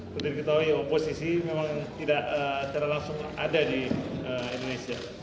seperti diketahui oposisi memang tidak secara langsung ada di indonesia